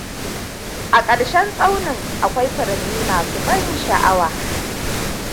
A ƙarshen tsaunin, akwai furanni masu ban sha'awa.